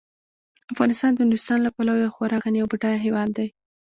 افغانستان د نورستان له پلوه یو خورا غني او بډایه هیواد دی.